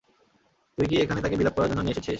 তুই কী এখানে তাকে বিলাপ করার জন্য নিয়ে এসেছিস?